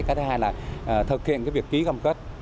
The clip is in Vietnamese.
cái thứ hai là thực hiện việc ký cam kết